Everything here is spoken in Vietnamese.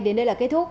đến đây là kết thúc